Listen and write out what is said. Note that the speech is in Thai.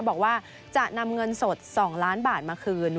บอกว่าจะนำเงินสด๒ล้านบาทมาคืน